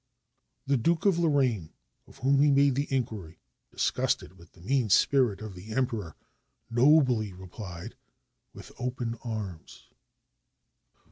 The Duke of Lorraine, of whom he made the inquiry, disgusted with the mean spirit of the Emperor, nobly replied, "With open arms."